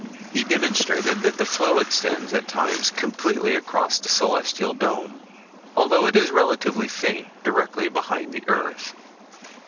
He demonstrated that the flow extends at times completely across the celestial dome, although it is relatively faint directly behind the earth.